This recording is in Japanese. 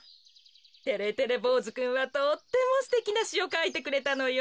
てれてれぼうずくんはとってもすてきなしをかいてくれたのよ。